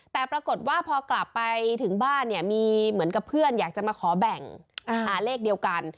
แต่ปรากฏว่าพอกลับไปถึงบ้านเนี่ยมีเหมือนกับเพื่อนอยากจะมาขอแบ่งเลขเดียวกัน